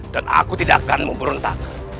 dan aku tidak akan memberontak